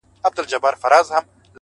ژوند يې پکي ونغښتی” بيا يې رابرسيره کړ”